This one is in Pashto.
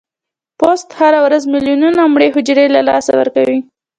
پوست هره ورځ ملیونونه مړه حجرې له لاسه ورکوي.